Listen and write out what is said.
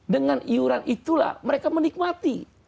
dengan iuran itulah mereka menikmati